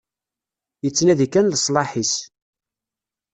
Yettnadi kan leṣlaḥ-is.